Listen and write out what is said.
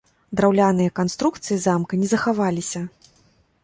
Драўляныя канструкцыі замка не захаваліся.